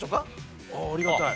ありがたい。